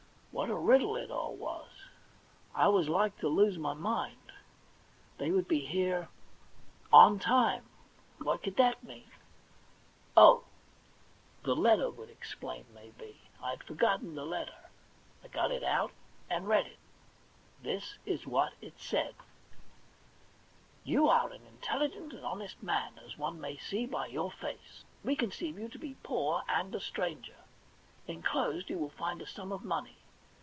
What a riddle it all was ! I was like to lose my mind. They would be here ' on time.' What could that THE £1,000,000 BANK NOTE 9 mean? Oh, the letter would explain, maybe. I had forgotten the letter ; I got it out and read it. This is what it said :* You are an intelligent and honest man, as one may see by your face. We conceive you to be poor and a stranger. Inclosed you will find a sum of money.